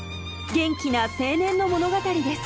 元気な青年の物語です。